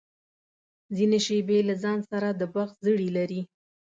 ځینې شېبې له ځان سره د بخت زړي لري.